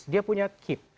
dia punya kip